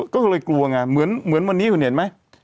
ก็เลยกลัวไงเหมือนวันนี้เห็นมั้ย